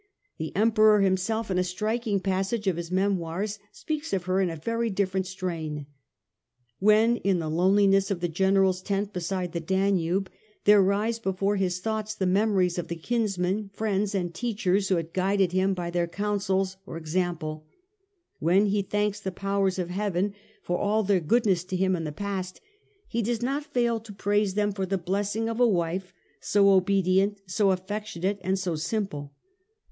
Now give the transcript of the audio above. The Emperor himself, in a striking passage of his memoirs, speaks of her in a very different ^. r 1 Reasons strain. When m the loneliness of the general's for doubting tent beside the Danube, there rise before his thoughts the memories of the kinsmen, fiiends, common and teachers who had guided him by their counsels or example, when he thanks the powers of heaven for all their goodness to him in the past, he does not fail to praise them for the blessing of a wife „,,,, 1 1 > Med. I. 17. * so obedient, so affectionate, and so simple.'